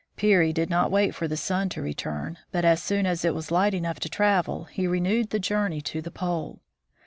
Peary did not wait for the sun to return, but as soon as it was light enough to travel he renewed the journey to the Pole.